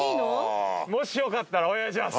もしよかったらお願いします